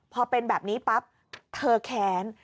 พอเป็นแบบนี้ปั๊บเธอแค้น